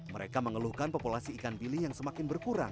mereka mengeluhkan populasi ikan bili yang semakin berkurang